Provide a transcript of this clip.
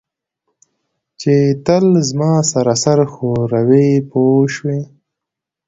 چې تل زما سره سر ښوروي پوه شوې!.